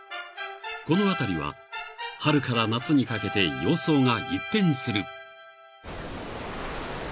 ［この辺りは春から夏にかけて様相が一変する］